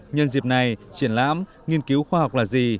nhân dịp này triển lãm nghiên cứu khoa học là gì